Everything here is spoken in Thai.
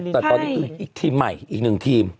แต่ตอนนี้คืออีกทีมใหม่อีกหนึ่งทีม